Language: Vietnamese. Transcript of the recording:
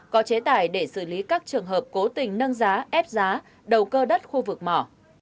có chế tài để xử lý các trường hợp cố tình nâng giá ép giá đầu cơ đất khu vực mỏ